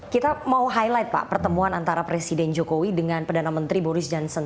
kita mau highlight pak pertemuan antara presiden jokowi dengan perdana menteri boris johnson